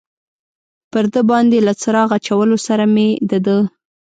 پر ده باندې له څراغ اچولو سره مې د ده.